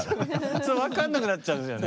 そう分かんなくなっちゃうんですよね。